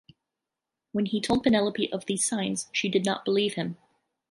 When he told Penelope of these signs, she did not believe him.